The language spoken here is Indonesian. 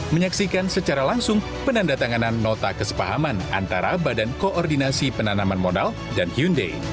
menyaksikan secara langsung penanda tanganan nota kesepahaman antara badan koordinasi penanaman modal dan hyundai